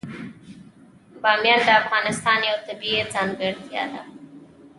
بامیان د افغانستان یوه طبیعي ځانګړتیا ده.